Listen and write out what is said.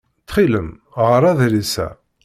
Ttxil-m ɣeṛ adlis-a.